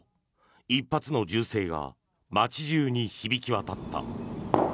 １発の銃声が街中に響き渡った。